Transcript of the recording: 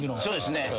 そうですね。